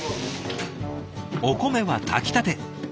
お米は炊きたて